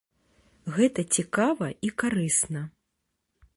Гэта цікава і карысна.